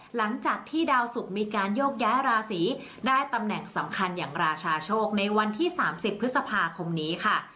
หลังจากที่ดาวสุกมีการโยกย้ายราศีได้ตำแหน่งสำคัญอย่างราชาโชคในวันที่๓๐พฤษภาคมนี้ค่ะ